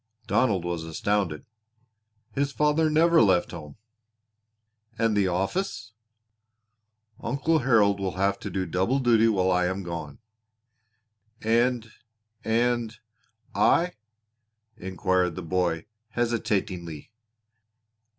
Donald was astounded. His father never left home. "And the office?" "Uncle Harold will have to do double duty while I am gone." "And and I?" inquired the boy hesitatingly.